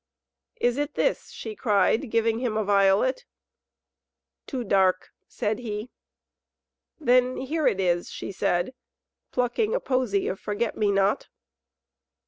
"Is it this?" she cried, giving him a violet. "Too dark," said he. "Then here it is," she said, plucking a posy of forget me not.